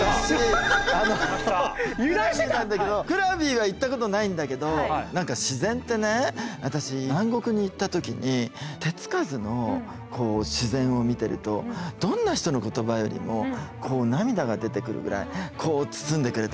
クラビは行ったことないんだけど何か自然ってね私南国に行った時に手付かずの自然を見てるとどんな人の言葉よりもこう涙が出てくるぐらいこう包んでくれたのね。